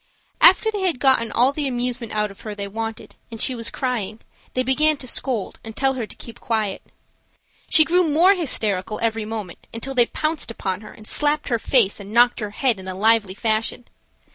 After they had gotten all the amusement out of her they wanted and she was crying, they began to scold and tell her to keep quiet. She grew more hysterical every moment until they pounced upon her and slapped her face and knocked her head in a lively fashion.